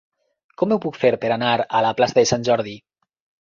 Com ho puc fer per anar a la plaça de Sant Jordi?